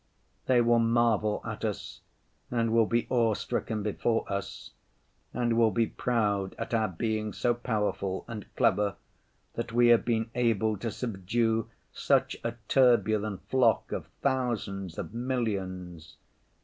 They will marvel at us and will be awe‐stricken before us, and will be proud at our being so powerful and clever, that we have been able to subdue such a turbulent flock of thousands of millions.